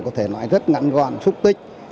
có thể nói rất ngắn gọn xúc tích